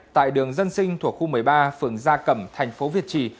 tại đường dân sinh thuộc khu một mươi ba phường gia cẩm thành phố việt trì